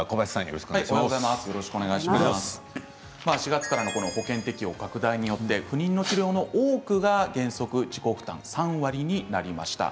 ４月からの保険適用拡大によって不妊の治療の多くが原則自己負担３割になりました。